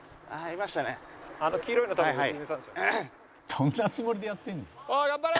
「どんなつもりでやってんねん」